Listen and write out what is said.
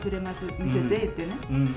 見せて言うてね。